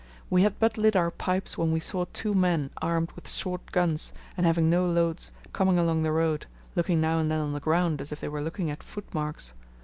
We had but lit our pipes when we saw two men armed with short guns, and having no loads, coming along the road, looking now and then on the ground, as if they were looking at footmarks.